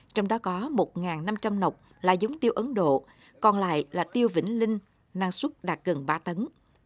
trong đó có một năm trăm linh nọc là giống tiêu ấn độ còn lại là tiêu vĩnh linh năng suất đạt gần ba tấn